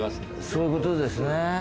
そういう事ですね。